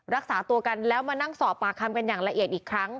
รักษาตัวกันแล้วมานั่งสอบปากคำกันอย่างละเอียดอีกครั้ง